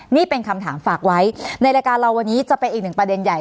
นี่เป็นคำถามฝากไว้ในรายการเราวันนี้จะเป็นอีกหนึ่งประเด็นใหญ่